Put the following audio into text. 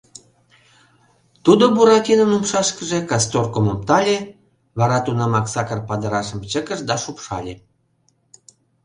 Тудо Буратинон умшашкыже касторкым оптале, вара тунамак сакыр падырашым чыкыш да шупшале.